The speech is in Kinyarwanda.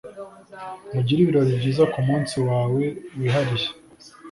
mugire ibirori byiza kumunsi wawe wihariye